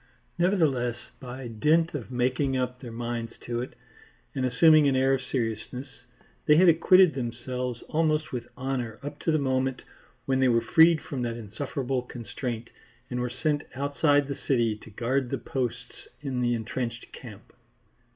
Nevertheless by dint of making up their minds to it and assuming an air of seriousness, they had acquitted themselves almost with honour up to the moment when they were freed from that insufferable constraint and were sent outside the city to guard the posts in the entrenched camp.